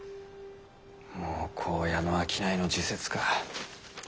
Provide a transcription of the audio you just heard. もう紺屋の商いの時節か。